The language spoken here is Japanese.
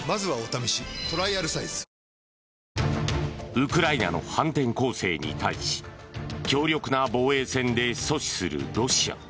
ウクライナの反転攻勢に対し強力な防衛線で阻止するロシア。